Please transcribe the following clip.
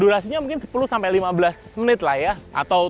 durasinya mungkin sepuluh sampai lima belas menit lah ya